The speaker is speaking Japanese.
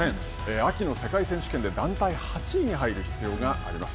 秋の世界選手権で団体８位に入る必要があります。